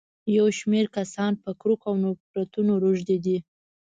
يو شمېر کسان په کرکو او نفرتونو روږدي دي.